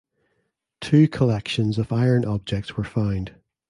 Two collections of iron objects were found.